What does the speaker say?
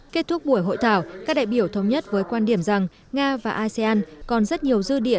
kết thúc buổi hội thảo các đại biểu thống nhất với quan điểm rằng nga và asean còn rất nhiều dư địa